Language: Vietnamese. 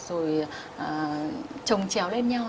rồi trồng chéo lên nhau